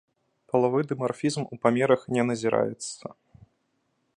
Палавы дымарфізм ў памерах не назіраецца.